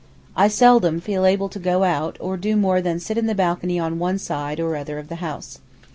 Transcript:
I seldom feel able to go out or do more than sit in the balcony on one side or other of the house.